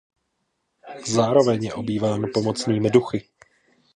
Zároveň je obýván pomocnými duchy.